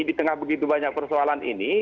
di tengah begitu banyak persoalan ini